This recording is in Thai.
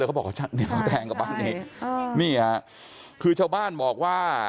แล้วก็บอกว่านี่เขาแทงกับบ้านนี้คือชาวบ้านบอกว่า